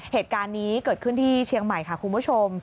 เหตุการณ์นี้เกิดขึ้นที่เชียงใหม่ค่ะคุณผู้ชม